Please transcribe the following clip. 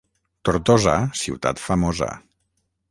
Tortosa, ciutat famosa.